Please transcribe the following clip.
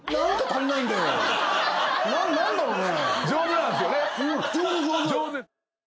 何だろうね。